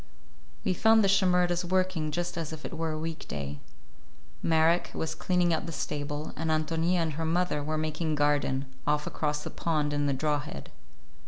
We found the Shimerdas working just as if it were a week day. Marek was cleaning out the stable, and Ántonia and her mother were making garden, off across the pond in the draw head.